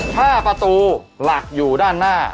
ถ้าประตูหลักอยู่ด้านหน้า